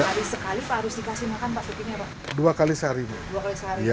jadi berapa hari sekali harus dikasih makan pak tukiknya